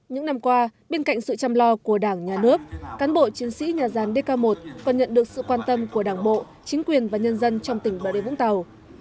những năm qua bên cạnh sự chăm lo của đảng nhà nước cán bộ chiến sĩ nhà gián dk một còn nhận được sự quan tâm của đảng bộ chính quyền và nhân dân trong tỉnh bà đê vũng tàu